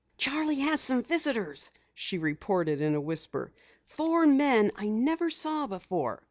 "Charley has some visitors," she reported in a whisper. "Four men I never saw before.